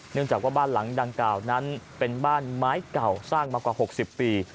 เนื่องจากว่าบ้านหลังดังกล่าวนั้นเป็นบ้านไม้เก่าสร้างมากว่า๖๐ปี